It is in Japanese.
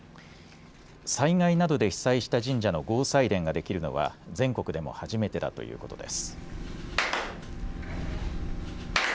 災害などで被災した神社の合祭殿が出来るのは、全国でも初めてだということです。